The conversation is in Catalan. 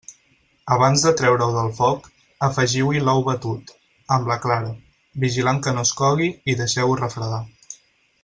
Abans de treure-ho del foc, afegiu-hi l'ou batut, amb la clara, vigilant que no es cogui i deixeu-ho refredar.